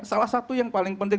salah satu yang paling penting